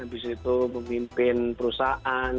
habis itu memimpin perusahaan